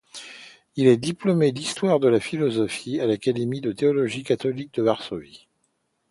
Il est diplômé d'histoire de la philosophie à l'Académie de théologie catholique de Varsovie.